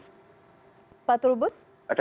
dari situ ya